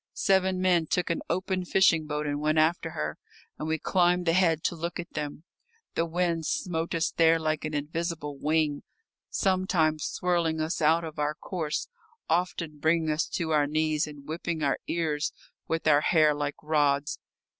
Seven men took an open fishing boat and went after her, and we climbed the Head to look at them. The wind smote us there like an invisible wing, sometimes swirling us out of our course, often bringing us to our knees, and whipping our ears with our hair like rods.